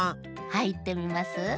はいってみます？